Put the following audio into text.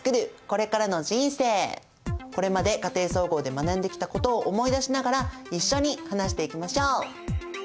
これまで「家庭総合」で学んできたことを思い出しながら一緒に話していきましょう。